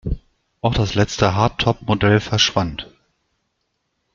Auch das letzte Hardtop-Modell verschwand.